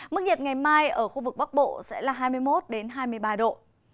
mức nhiệt ngày mai ở khu vực bắc bộ sẽ là hai mươi một hai mươi ba độ